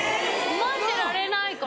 待ってられないから。